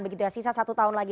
begitu sisa satu tahun lagi